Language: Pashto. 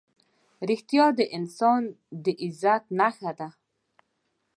رښتیا د انسان د عزت نښه ده.